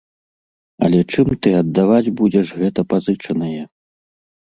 Але чым ты аддаваць будзеш гэта пазычанае?